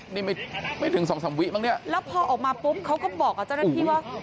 นี่ไม่ไม่ถึงสองสามวิมั้งเนี่ยแล้วพอออกมาปุ๊บเขาก็บอกกับเจ้าหน้าที่ว่า